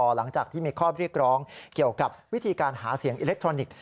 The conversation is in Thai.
หลังจากที่มีข้อเรียกร้องเกี่ยวกับวิธีการหาเสียงอิเล็กทรอนิกส์